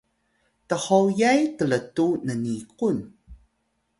thoyay tltu nniqun